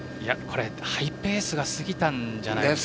ハイペースが過ぎたんじゃないですか。